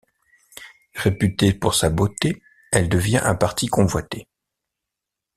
Réputée pour sa beauté, elle devient un parti convoité.